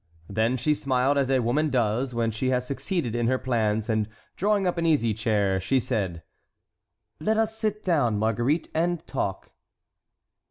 Then she smiled as a woman does when she has succeeded in her plans, and drawing up an easy chair, she said: "Let us sit down, Marguerite, and talk."